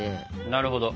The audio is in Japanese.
なるほど。